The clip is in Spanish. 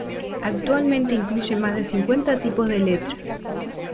Actualmente incluye más de cincuenta tipos de letra.